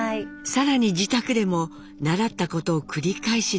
さらに自宅でも習ったことを繰り返し練習。